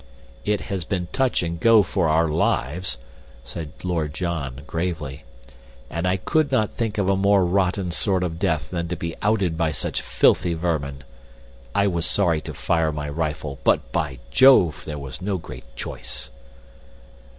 "It has been touch and go for our lives," said Lord John, gravely, "and I could not think of a more rotten sort of death than to be outed by such filthy vermin. I was sorry to fire my rifle, but, by Jove! there was no great choice."